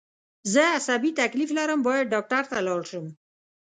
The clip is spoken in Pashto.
زه عصابي تکلیف لرم باید ډاکټر ته لاړ شم